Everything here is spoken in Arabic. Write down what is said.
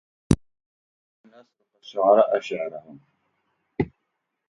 إن أسرق الشعراء شعرهم